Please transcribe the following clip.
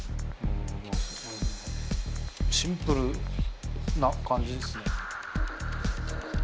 シンプルな感じですね。